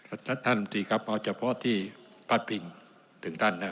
อาจจะเพราะที่พัดพิงถึงตั้นนะครับ